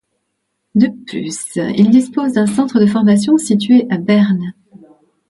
De plus, il dispose d’un centre de formation situé à Berne.